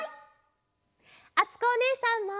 あつこおねえさんも！